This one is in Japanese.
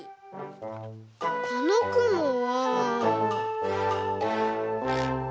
このくもは。